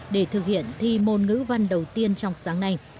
để thực hiện thi môn ngữ văn đầu tiên trong sáng nay